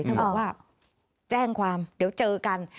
เธอบอกว่าแจ้งความเดี๋ยวเจอกัน